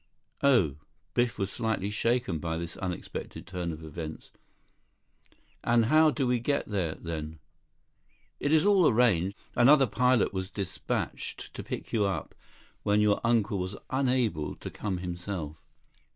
"Oh." Biff was slightly shaken by this unexpected turn of events. "And how do we get there, then?" "It is all arranged. Another pilot was dispatched to pick you up when your uncle was unable to come himself.